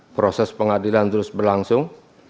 proses pengadilan terus berlangsung